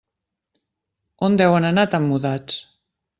On deuen anar tan mudats.